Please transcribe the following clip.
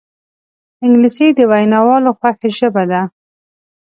انګلیسي د ویناوالو خوښه ژبه ده